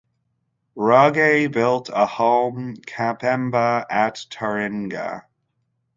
Wragge built a home, Capemba, at Taringa.